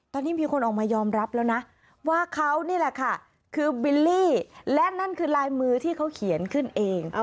ตอนนี้มีคนออกมายอมรับแล้วนะว่าเขานี่แหละค่ะคือบิลลี่และนั่นคือลายมือที่เขาเขียนขึ้นเอง